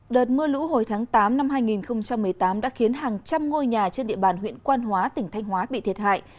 đợt mưa lũ hồi tháng tám năm hai nghìn một mươi tám đã khiến hàng trăm ngôi nhà trên địa bàn huyện quan hóa tỉnh thanh hóa bị thiệt hại